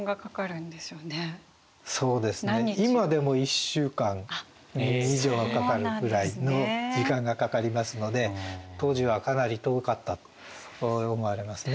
今でも１週間以上はかかるぐらいの時間がかかりますので当時はかなり遠かったと思われますね。